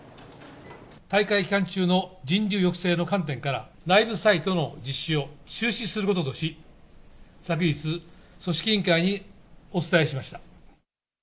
大会期間中の人流抑制の観点から、ライブサイトの実施を中止することとし、昨日、組織委員会にお伝えしました。